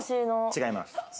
違います。